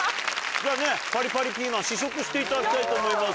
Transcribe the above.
じゃあねパリパリピーマン試食していただきたいと思います。